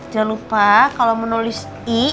jangan lupa kalo mau nulis i